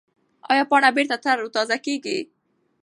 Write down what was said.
ایا پاڼه بېرته تر او تازه کېږي؟